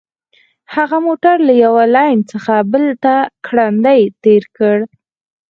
هغه موټر له یوه لین څخه بل ته ګړندی تیر کړ